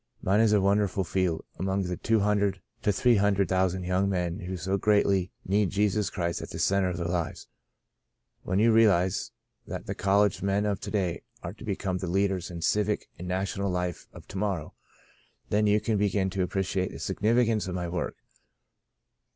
Mine is a won derful field among the two hundred to three hundred thousand young men who so greatly need Jesus Christ at the centre of their lives. When you realize that the college men of to day are to become the leaders in civic and national life of to morrow, then you can be gin to appreciate the significance of my work.